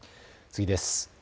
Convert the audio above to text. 次です。